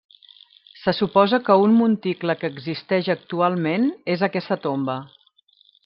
Se suposa que un monticle que existeix actualment és aquesta tomba.